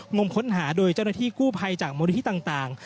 งมค้นหาโดยเจ้าหน้าที่กู้ภัยจากมูลนิธิต่าง